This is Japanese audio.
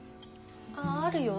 ああるよ。